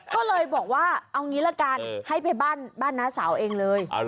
ก็เลยบอกว่าเอางี้ละกันให้ไปบ้านน้าสาวเองเลย